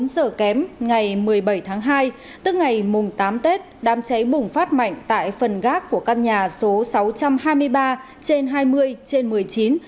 bốn giờ kém ngày một mươi bảy tháng hai tức ngày mùng tám tết đám cháy bùng phát mạnh tại phần gác của căn nhà số sáu trăm hai mươi ba trên hai mươi trên một mươi chín